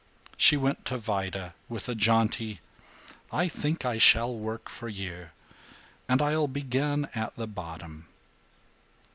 She went to Vida with a jaunty, "I think I shall work for you. And I'll begin at the bottom."